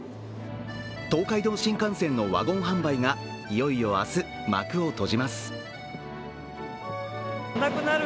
東海道新幹線のワゴン販売がいよいよ明日、幕を閉じます。